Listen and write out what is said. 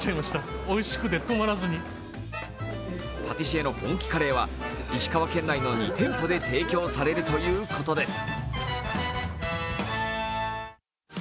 パティシエの本気カレーは石川県内の２店舗で提供されるとのことです。